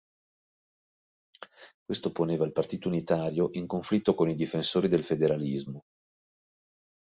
Questo poneva il Partito Unitario in conflitto con i difensori del federalismo.